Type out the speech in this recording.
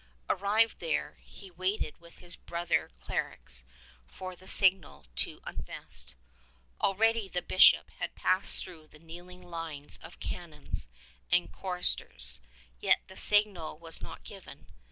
Arrived there, he waited with his brother clerics for the signal to unvest. Already the Bishop had passed through the kneeling lines of canons and choristers, yet the signal was not given.